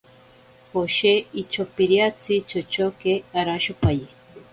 Joshe ichopiriatsi chochoke arashopaye.